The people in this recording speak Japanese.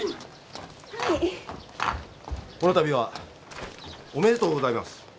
この度はおめでとうございます。